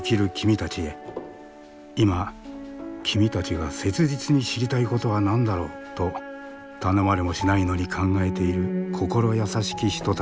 「今君たちが切実に知りたいことは何だろう？」と頼まれもしないのに考えている心優しき人たちがいる。